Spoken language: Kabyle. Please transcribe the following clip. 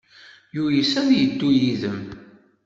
Yuyes ad yeddu yid-m.